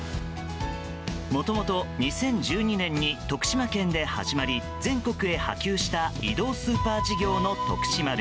もともと２０１２年に徳島県で始まり、全国へ波及した移動スーパー事業の「とくし丸」。